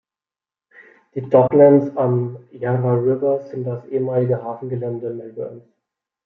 Die Docklands am Yarra River sind das ehemalige Hafengelände Melbournes.